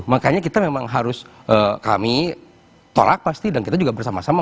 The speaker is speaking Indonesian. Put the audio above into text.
makanya kita memang harus kami tolak pasti dan kita juga bersama sama